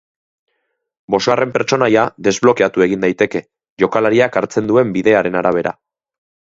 Bosgarren pertsonaia desblokeatu egin daiteke jokalariak hartzen duen bidearen arabera.